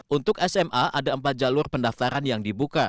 untuk sma ada empat jalur pendaftaran yang dibuka